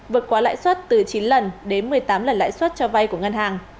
vượt qua lãi suất từ chín lần đến một mươi tám lần lãi suất cho vay của ngân hàng